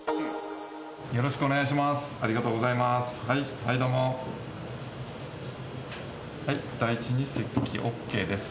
よろしくお願いします。